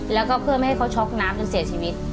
แล้วก็เพื่อไม่ให้เขาช็อกน้ำจนเสียชีวิต